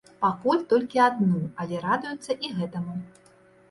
Пакуль толькі адну, але радуюцца і гэтаму.